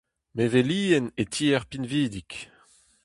Mevelien e tiez pinvidik.